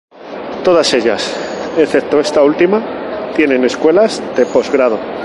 Todas ellas, excepto esta última, tienen escuelas de posgrado.